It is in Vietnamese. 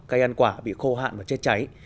cây ăn quả bị khô hạn và chết cháy